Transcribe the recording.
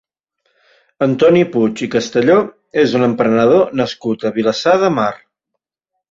Antoni Puig i Castelló és un emprenedor nascut a Vilassar de Mar.